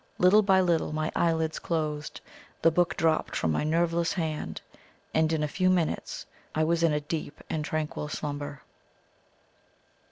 Little by little my eyelids closed; the book dropped from my nerveless hand; and in a few minutes I was in a deep and tranquil slumber.